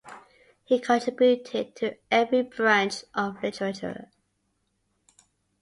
He contributed to every branch of literature.